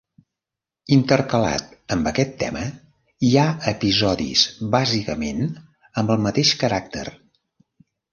Intercalat amb aquest tema hi ha episodis bàsicament amb el mateix caràcter.